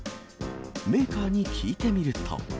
メーカーに聞いてみると。